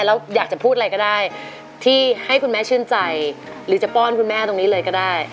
แล้วอยากจะพูดอะไรก็ได้ที่ให้คุณแม่ชื่นใจหรือจะป้อนคุณแม่ตรงนี้เลยก็ได้